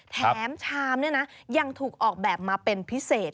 แถมชามเนี่ยนะยังถูกออกแบบมาเป็นพิเศษ